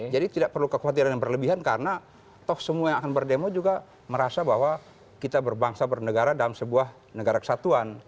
jadi tidak perlu kekhawatiran yang berlebihan karena semua yang akan berdemo juga merasa bahwa kita berbangsa bernegara dalam sebuah negara kesatuan